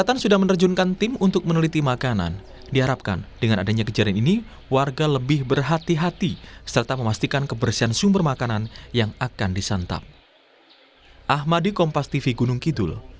tujuh orang diantaranya harus dirawat di rumah sakit karena terdapat anggota keluarga yang diterima menjadi tni